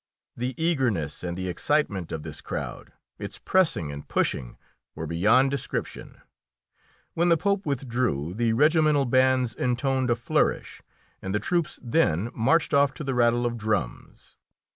The eagerness and the excitement of this crowd, its pressing and pushing, were beyond description. When the Pope withdrew, the regimental bands intoned a flourish, and the troops then marched off to the rattle of drums.